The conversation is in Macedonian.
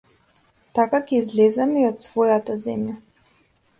Така ќе излеземе и од својата земја.